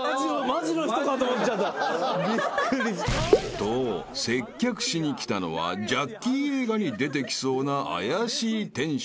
［と接客しに来たのはジャッキー映画に出てきそうな怪しい店主］